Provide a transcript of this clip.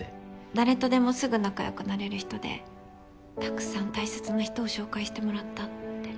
誰とでもすぐ仲良くなれる人でたくさん大切な人を紹介してもらったって。